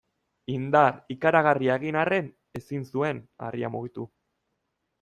Indar ikaragarria egin arren ezin zuen harria mugitu.